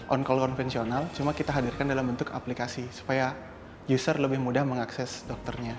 on call konvensional cuma kita hadirkan dalam bentuk aplikasi supaya user lebih mudah mengakses dokternya